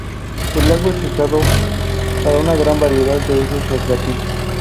El lago es usado para una gran variedad de usos recreativos.